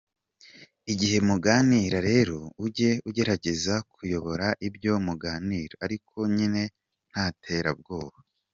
Igihe muganira rero ujye ugerageza kuyobora ibyo muganira, ariko nyine nta terabwoba.